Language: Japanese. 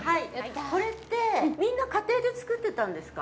これって、みんな家庭で作ってたんですか？